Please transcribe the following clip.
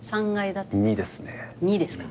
２ですね。